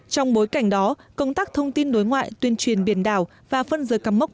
trong bối cảnh đó công tác thông tin đối ngoại tuyên truyền biển đảo và phân giới cắm mốc